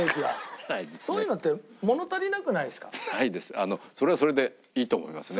あのそれはそれでいいと思いますね。